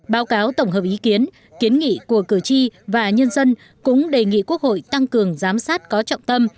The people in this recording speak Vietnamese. báo cáo tổng hợp ý kiến kiến nghị của cử tri và nhân dân cũng đề nghị quốc hội tăng cường giám sát có trọng tâm